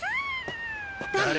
誰？